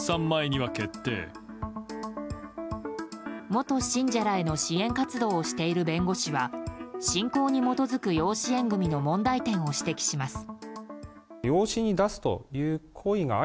元信者らへの支援活動をしている弁護士は信仰に基づく養子縁組の問題点を指摘します。